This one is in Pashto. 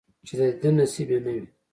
چې د دیدن نصیب یې نه وي،